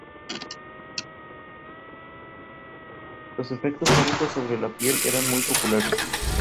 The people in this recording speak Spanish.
Es la tercera película que se hace acerca de re-animator.